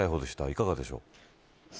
いかがでしょう。